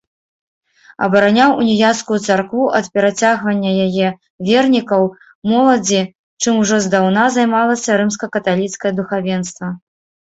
Абараняў уніяцкую царкву ад перацягвання яе вернікаў, моладзі, чым ужо здаўна займалася рымска-каталіцкае духавенства.